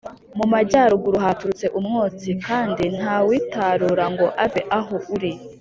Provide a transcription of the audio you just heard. Mu majyaruguru haturutse umwotsi kandi nta witarura ngo ave aho uri